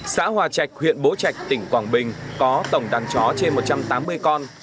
xã hòa trạch huyện bố trạch tỉnh quảng bình có tổng đàn chó trên một trăm tám mươi con